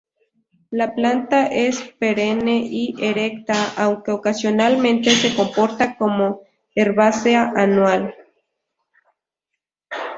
La planta es perenne y erecta, aunque ocasionalmente se comporta como herbácea anual.